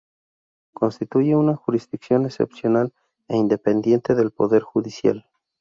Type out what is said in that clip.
Constituye una jurisdicción excepcional e independiente del Poder Judicial.